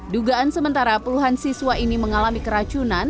dugaan sementara puluhan siswa ini mengalami keracunan